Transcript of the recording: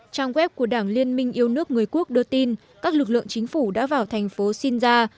trang web của đảng liên minh yêu nước người quốc đưa tin các lực lượng chính phủ đã vào thành phố shinza